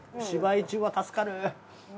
芝居中は助かる。